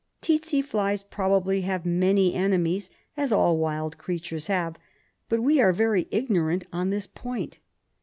Tsetse flies probably have many enemies, as all wild creatures have, but we are very ignorant on this point.